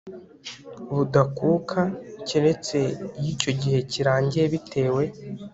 budakuka keretse iyo icyo gihe kirangiye bitewe